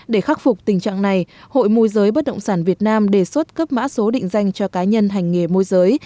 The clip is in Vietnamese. để khắc phục tình trạng này hội môi giới bất động sản việt nam đề xuất cấp mã số định danh cho cá nhân hành nghề môi giới